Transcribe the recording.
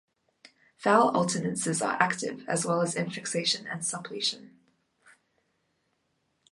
Vowel alternances are active, as well as infixation and suppletion.